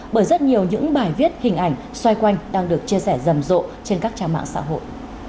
bởi rất nhiều những bài viết hình ảnh xoay quanh đang được chia sẻ rầm rộ trên các trang mạng xã hội